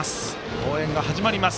応援が始まります。